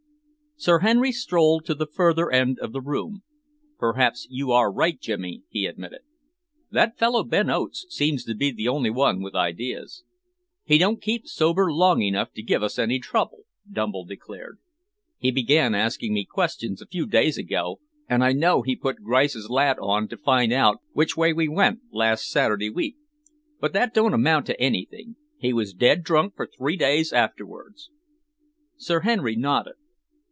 Sir Henry strolled to the further end of the room. "Perhaps you are right, Jimmy," he admitted. "That fellow Ben Oates seems to be the only one with ideas." "He don't keep sober long enough to give us any trouble," Dumble declared. "He began asking me questions a few days ago, and I know he put Grice's lad on to find out which way we went last Saturday week, but that don't amount to anything. He was dead drunk for three days afterwards." Sir Henry nodded.